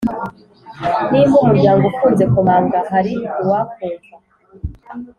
nimba umuryango ufunze komanga hari uwakumva